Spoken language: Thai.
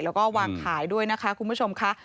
แล้วก็วางขายด้วยนะคะคุณผู้ชมค่ะ